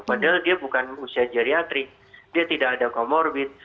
padahal dia bukan usia geriatrik dia tidak ada comorbid